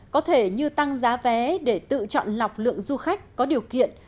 có thể như tăng giá vé để tự chọn lọc lượng du khách có điều kiện